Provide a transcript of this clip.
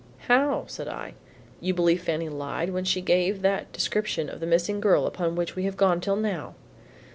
"How!" said I. "You believed Fanny lied when she gave that description of the missing girl upon which we have gone till now?"